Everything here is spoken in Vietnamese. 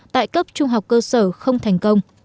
tại cấp trung học cơ sở không thành công